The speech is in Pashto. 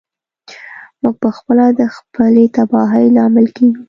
موږ پخپله د خپلې تباهۍ لامل کیږو.